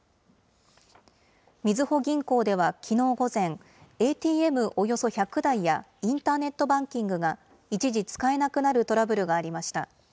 みずほ銀行ではきのう午前、ＡＴＭおよそ１００台やインターネットバンキングが一時、使えなくなるトラブルがありました。